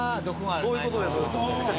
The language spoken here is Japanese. ◆そういうことです。